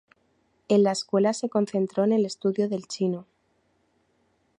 En la escuela se concentró en el estudio del chino.